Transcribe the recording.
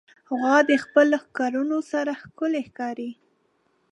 غوا د خپلو ښکرونو سره ښکلي ښکاري.